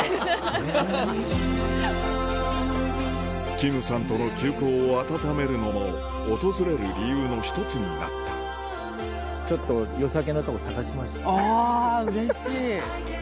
キムさんとの旧交を温めるのも訪れる理由の一つになったあうれしい！